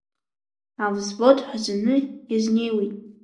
Авзвод ҳәазаны иазнеиуеит.